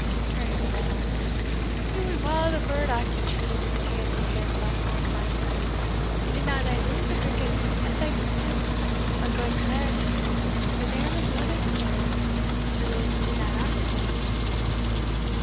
turning to Lovel, "he wad wile the bird aff the tree wi' the tales he tells about folk lang syne and did not I lose the drinking o' sax pints o' gude claret, for the deil ane wad hae stirred till he had seen that out at the least?"